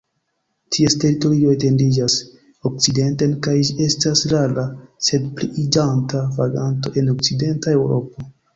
Ties teritorio etendiĝas okcidenten, kaj ĝi estas rara sed pliiĝanta vaganto en okcidenta Eŭropo.